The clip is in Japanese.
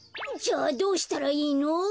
じゃあどうしたらいいの？